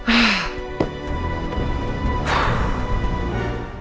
ischer udah selesai ya